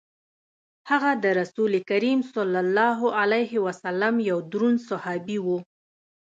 هغه د رسول کریم صلی الله علیه وسلم یو دروند صحابي وو.